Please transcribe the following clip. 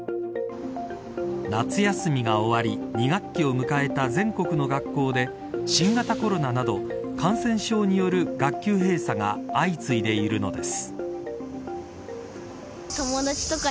夏休みが終わり、２学期を迎えた全国の学校で新型コロナなど感染症による学級閉鎖が相次いでいるのです。